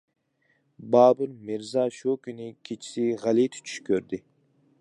بابۇر مىرزا شۇ كۈنى كېچىسى غەلىتە چۈش كۆردى.